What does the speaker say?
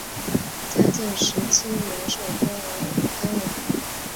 嘉靖十七年受封为武冈王。